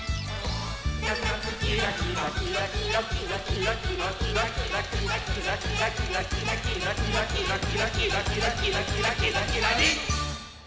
「なつなつキラキラキラキラキラキラキラキラキラキラ」「キラキラキラキラキラキラ」「キラキラキラキラキラキラキラキラリン！」